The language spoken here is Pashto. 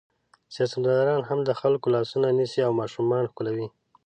سیاستمداران هم د خلکو لاسونه نیسي او ماشومان ښکلوي.